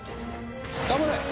頑張れ！